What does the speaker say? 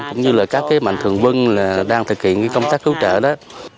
cũng như là các mạnh thường quân đang thực hiện công tác cứu trợ đó